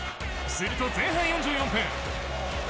すると前半４４分。